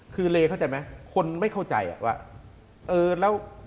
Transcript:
คือเลยเข้าใจมั้ยคนไม่เข้าใจว่า